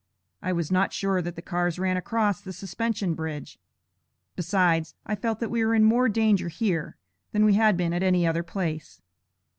I was not sure that the cars ran across the Suspension Bridge; besides, I felt that we were in more danger here, than we had been at any other place.